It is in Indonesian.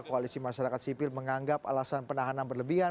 koalisi masyarakat sipil menganggap alasan penahanan berlebihan